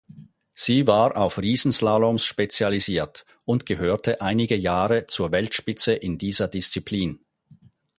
Sie war auf Riesenslaloms spezialisiert und gehörte einige Jahre zur Weltspitze in dieser Disziplin.